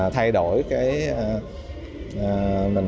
thay đổi cái